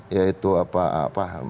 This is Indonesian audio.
yaitu apa apa